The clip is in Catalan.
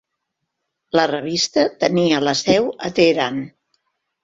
La revista tenia la seu a Teheran.